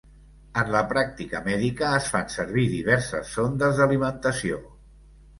En la pràctica mèdica es fan servir diverses sondes d'alimentació.